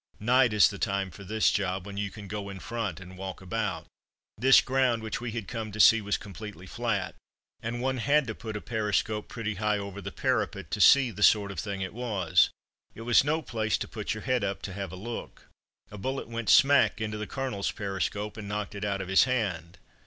Night is the time for this job, when you can go in front and walk about. This ground which we had come to see was completely flat, and one had to put a periscope pretty high over the parapet to see the sort of thing it was. It was no place to put your head up to have a look. A bullet went smack into the Colonel's periscope and knocked it out of his hand.